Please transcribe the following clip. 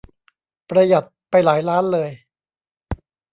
ประหยัดไปหลายล้านเลย